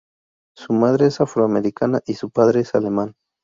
Su madre es afroamericana y su padre es alemán.